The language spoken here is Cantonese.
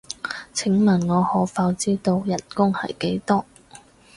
請問我可否知道人工係幾多？